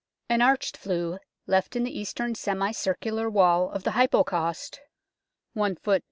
An arched flue left in the eastern semi circular wall of the Hypocaust, i ft.